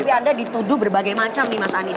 tapi anda dituduh berbagai macam nih mas anies